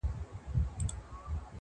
کارگه د زرکي تگ کا وه خپل هغې ئې هېر سو.